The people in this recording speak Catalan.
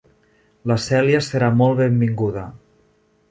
La Celia serà molt benvinguda.